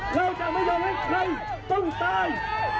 เธอจะไม่ยอมให้ใครต้องตาย